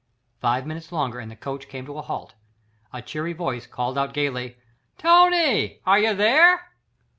Five minutes longer and the coach came to a halt. A cheery voice called out gaily: "Tony! are you there?"